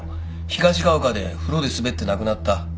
東が丘で風呂で滑って亡くなった。